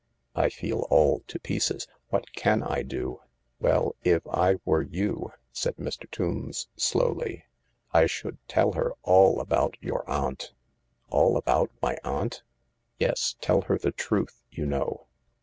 I feel all to pieces. What can I do ?"" Well, if I were you," said Mr. Tombs slowly, " I should tell her all about your aunt." " All about my aunt ?"" Yes, tell her the truth, you know."